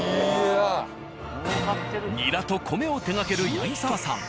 ニラと米を手がける八木澤さん。